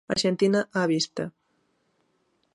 Arxentina á vista.